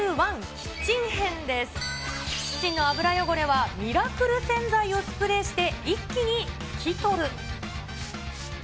キッチンの油汚れはミラクル洗剤をスプレーして一気に拭き取る。